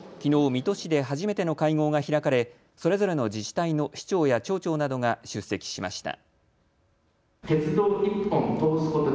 水戸市で初めての会合が開かれ、それぞれの自治体の市長や町長などが出席しました。